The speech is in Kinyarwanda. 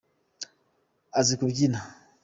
azi kubyina.